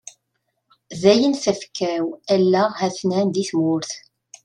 Dayen tafekka-w, allaɣ hatnan deg tmurt.